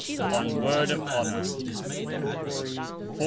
On word of honour. 40a.